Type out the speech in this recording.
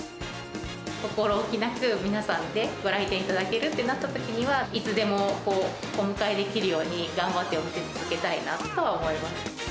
心置きなく、皆さんでご来店いただけるってなったときには、いつでもお迎えできるように、頑張って店を続けたいなと思います。